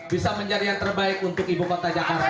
bisa menjadi yang terbaik untuk ibu kota jakarta